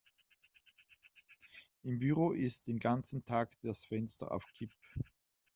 Im Büro ist den ganzen Tag das Fenster auf Kipp.